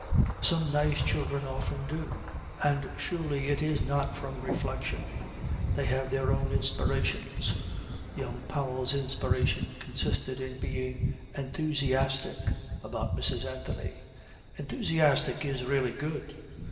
Some nice children often do; and surely it is not from reflection. They have their own inspirations. Young Powell's inspiration consisted in being "enthusiastic" about Mrs. Anthony. 'Enthusiastic' is really good.